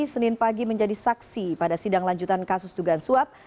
senin pagi menjadi saksi pada sidang lanjutan kasus dugaan suap